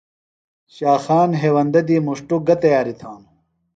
شاخان ہیوندہ دی مُݜٹوۡ گہ تیاریۡ تھانوۡ؟